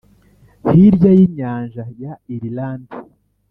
hirya y'inyanja ya irilande.